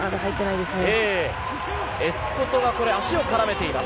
エスコトは足を絡めています。